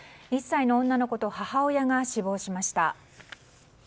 １歳の女の子と母親が死亡しました。